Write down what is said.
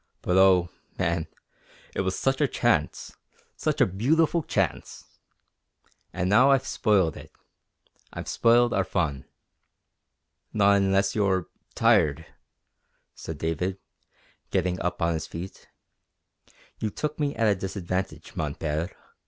But oh, man, it was such a chance such a beautiful chance! And now I've spoiled it. I've spoiled our fun." "Not unless you're tired," said David, getting up on his feet. "You took me at a disadvantage, mon Père.